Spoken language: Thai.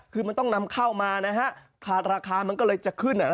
คือมันต้องนำเข้ามานะฮะขาดราคามันก็เลยจะขึ้น